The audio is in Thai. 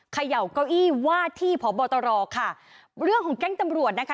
เขย่าเก้าอี้ว่าที่พบตรค่ะเรื่องของแก๊งตำรวจนะคะ